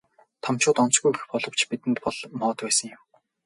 Томчууд онцгүй гэх боловч бидэнд бол моод байсан юм.